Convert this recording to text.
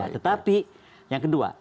tetapi yang kedua